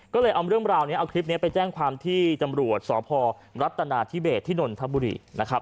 ก็เลยเอาเรื่องราวนี้เอาคลิปนี้ไปแจ้งความที่ตำรวจสพรัฐนาธิเบสที่นนทบุรีนะครับ